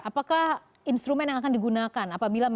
apakah instrumen yang akan digunakan